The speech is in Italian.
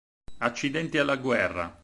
Accidenti alla guerra!...